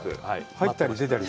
入ったり出たり？